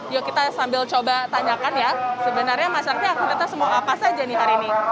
yuk kita sambil coba tanyakan ya sebenarnya masyarakatnya aktivitas mau apa saja nih hari ini